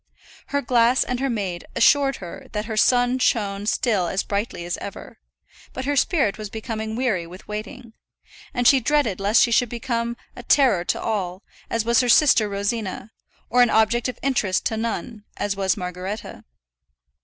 Her glass and her maid assured her that her sun shone still as brightly as ever; but her spirit was becoming weary with waiting, and she dreaded lest she should become a terror to all, as was her sister Rosina, or an object of interest to none, as was Margaretta.